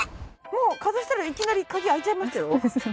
もうかざしたらいきなり鍵開いちゃいましたよ。